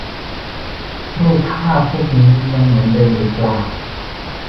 รูปภาพพวกนี้ยังเหมือนเดิมหรือเปล่า